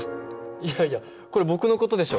いやいやこれ僕の事でしょ！